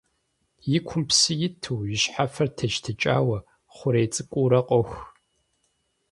И кум псы иту, и щхьэфэр тещтыкӀауэ, хъурей цӀыкӀуурэ къох.